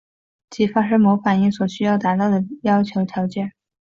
即发生某反应所需要达到的条件要求。